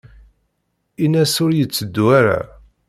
Ini-as ur yetteddu ara.